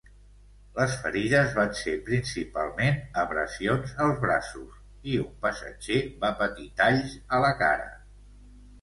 Les ferides van ser principalment abrasions als braços, i un passatger va patir talls a la cara.